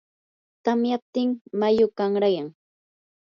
tamyaptin mayum qanrayan.